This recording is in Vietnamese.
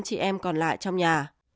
các chị em còn lại trong nhà